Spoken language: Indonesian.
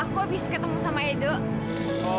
aku abis ketemu sama edo